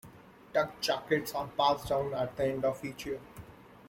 Duck Jackets are passed down at the end of each year.